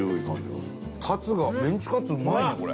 伊達：カツが、メンチカツうまいね、これ。